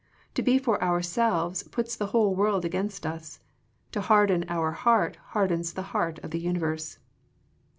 To be for our selves puts the whole world against us. To harden our heart hardens the heart of the universe.